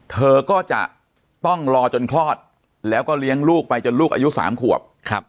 เธอก็จะต้องรอจนคลอดแล้วก็เลี้ยงลูกไปจนลูกอายุ๓ขวบ